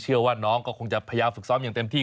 เชื่อว่าน้องก็คงจะพยายามฝึกซ้อมอย่างเต็มที่